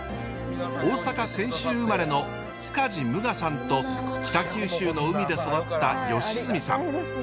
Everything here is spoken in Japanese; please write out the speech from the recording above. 大阪・泉州生まれの塚地武雅さんと北九州の海で育った吉住さん。